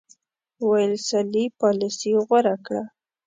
ویلسلي پالیسي غوره کړه.